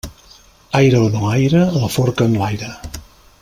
Aire o no aire, la forca enlaire.